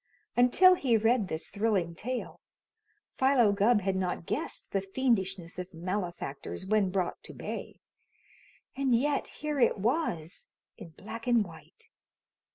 Until he read this thrilling tale, Philo Gubb had not guessed the fiendishness of malefactors when brought to bay, and yet here it was in black and white.